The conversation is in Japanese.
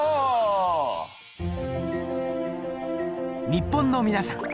日本の皆さん！